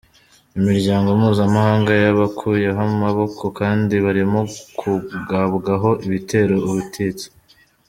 Imiryango mpuzamahanga yabakuyeho amaboko kandi barimo kugabwaho ibitero ubutitsa.